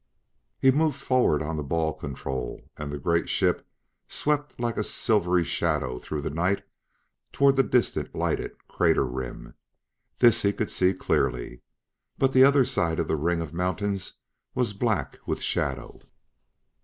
He moved forward on the ball control, and the great ship swept like a silvery shadow through the night toward the distant, lighted crater rim. This he could see clearly, but the other side of the ring of mountains was black with shadow.